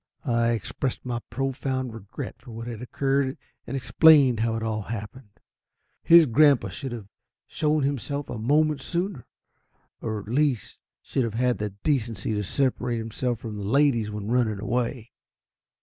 I expressed my profound regret for what had occurred, and explained how it had all happened. His grandpapa should have shown himself a moment sooner, or at least should have had the decency to separate himself from the ladies when running away.